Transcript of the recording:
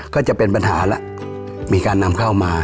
ก็จะเป็นปัญหาแล้วมีการนำเข้ามา